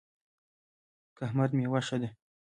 کهمرد میوه ښه ده؟